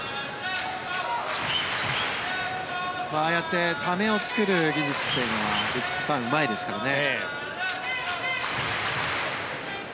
ああやってためを作る技術というのはヴィチットサーンうまいですからね。